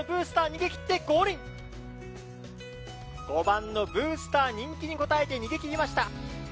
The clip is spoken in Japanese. ５番のブースター人気に応えて逃げ切りました！